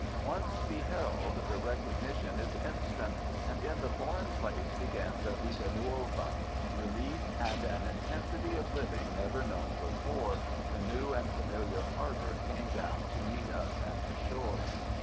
Once beheld, the recognition is instant, and in the foreign place begins a vita nuova—relief and an intensity of living never known before the new and familiar harbor came down to meet us at the shore.